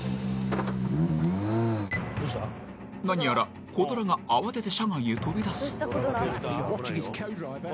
何やらコ・ドラが慌てて車外へ飛び出す。